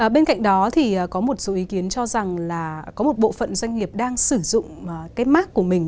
bên cạnh đó thì có một số ý kiến cho rằng là có một bộ phận doanh nghiệp đang sử dụng cái mark của mình